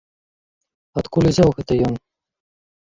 Адкуль узяў гэта ён?